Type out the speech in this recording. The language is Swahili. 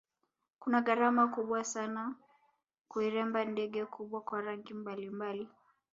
Kuna gharama kubwa sana kuiremba ndege kubwa kwa rangi mbalimbali